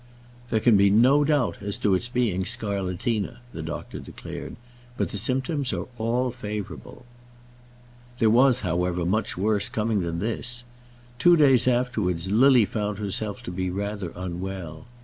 "There can be no doubt as to its being scarlatina," the doctor declared; "but the symptoms are all favourable." There was, however, much worse coming than this. Two days afterwards Lily found herself to be rather unwell.